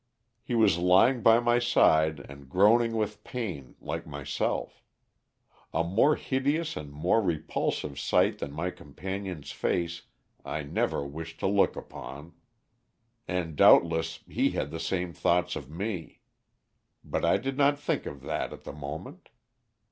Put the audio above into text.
"He was lying by my side and groaning with pain like myself. A more hideous and more repulsive sight than my companion's face I never wish to look upon. And doubtless he had the same thoughts of me. But I did not think of that at the moment.